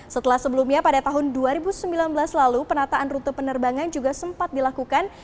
setelah sebelumnya pada tahun dua ribu sembilan belas lalu penataan rute penerbangan juga sempat dilakukan